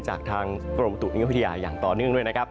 จากทางกรมอุตุนิยมพัทยาอย่างต่อเนื่องด้วยนะครับ